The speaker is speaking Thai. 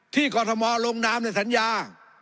ที่กรทมลงน้ำในฐัญญา